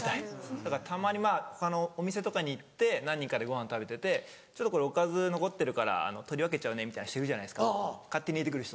だからたまにお店とかに行って何人かでごはん食べててちょっとこれおかず残ってるから取り分けちゃうねみたいな人いるじゃないですか勝手に入れて来る人。